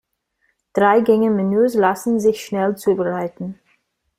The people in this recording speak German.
Drei-Gänge-Menüs lassen sich schnell zubereiten.